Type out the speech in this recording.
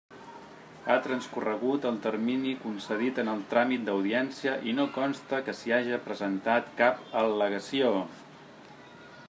Ha transcorregut el termini concedit en el tràmit d'audiència i no consta que s'hi haja presentat cap al·legació.